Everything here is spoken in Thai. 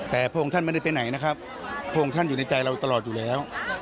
แต่พระองค์ท่านไม่ได้ไปไหนนะครับพระองค์ท่านอยู่ในใจเราตลอดอยู่แล้ว